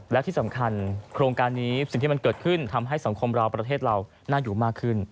และที่สำคัญโครงการนี้สิ่งที่มันเกิดขึ้นทำให้สังคมเราประเทศเราน่าอยู่มากขึ้น